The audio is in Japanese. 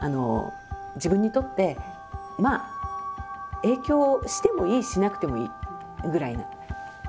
自分にとってまあ影響してもいいしなくてもいいぐらいな方。